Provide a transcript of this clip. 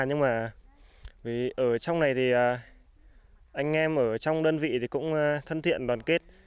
nhưng mà ở trong này thì anh em ở trong đơn vị thì cũng thân thiện đoàn kết